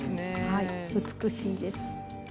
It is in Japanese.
はい美しいです。